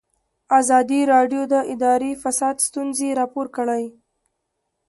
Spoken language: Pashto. ازادي راډیو د اداري فساد ستونزې راپور کړي.